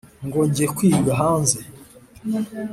ngo nge kwiga hanze